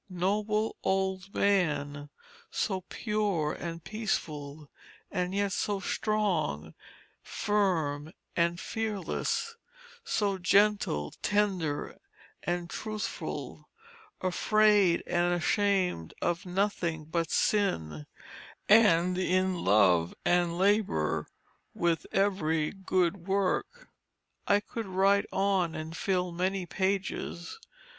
Noble old man, so pure and peaceful, and yet so strong, firm, and fearless, so gentle, tender, and truthful, afraid and ashamed of nothing but sin, and in love and labor with every good work. I could write on and fill many pages.